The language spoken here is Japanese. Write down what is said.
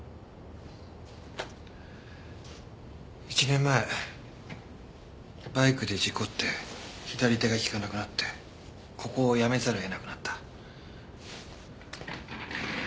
１年前バイクで事故って左手が利かなくなってここを辞めざるを得なくなった。